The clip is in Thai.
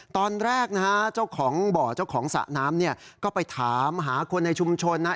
ตอนแรกนะฮะเจ้าของบ่อเจ้าของสระน้ำเนี่ยก็ไปถามหาคนในชุมชนนะ